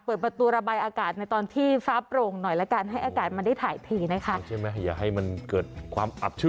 เปิดประตูระบายอากาศในตอนที่ฟ้าโปร่งหน่อยแล้ว